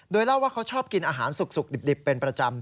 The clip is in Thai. โดยเล่าว่าเขาชอบกินอาหารสุกดิบเป็นประจำ